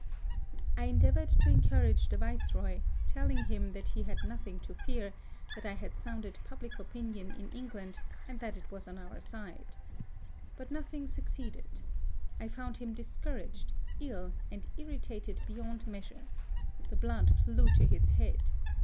I endeavoured to encourage the Viceroy, telling him that he had nothing to fear ; THE SUEZ CANAL. 35 that I had sounded public opinion in Eng land ; and that it was on our side. But no thing succeeded. I found him discouraged, ill, and irritated beyond measure. The blood flew to his head.